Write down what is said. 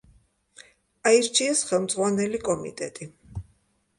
აირჩიეს ხელმძღვანელი კომიტეტი.